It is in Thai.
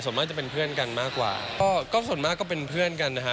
ส่วนมากจะเป็นเพื่อนกันมากกว่าก็ส่วนมากก็เป็นเพื่อนกันนะฮะ